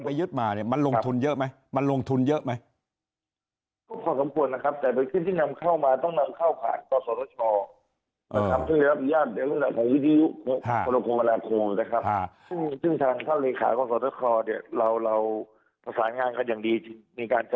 ไปยึดมาเนี่ยมันลงทุนเยอะไหม